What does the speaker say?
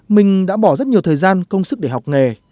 mình đã bỏ rất nhiều thời gian công sức để học nghề